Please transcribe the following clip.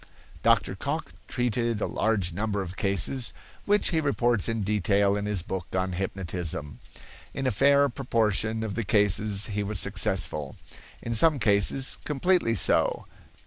Dr. Cocke treated a large number of cases, which he reports in detail in his book on hypnotism. In a fair proportion of the cases he was successful; in some cases completely so.